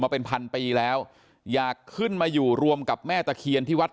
เป็นพันปีแล้วอยากขึ้นมาอยู่รวมกับแม่ตะเคียนที่วัด